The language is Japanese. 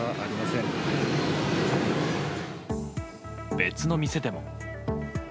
別の店でも。